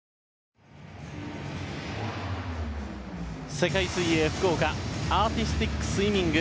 世界水泳福岡アーティスティックスイミング。